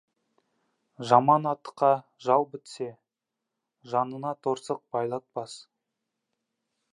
Жаман атқа жал бітсе, жанына торсық байлатпас.